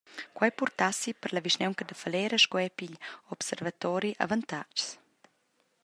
Quei purtassi per la vischnaunca da Falera sco era per igl observatori avantatgs.